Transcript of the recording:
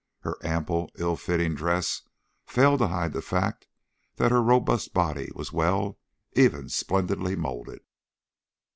Her ample, ill fitting dress failed to hide the fact that her robust body was well, even splendidly molded.